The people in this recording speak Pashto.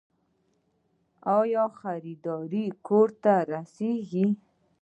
آیا خریداري کور ته رسیږي؟